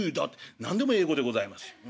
何でも英語でございますよ。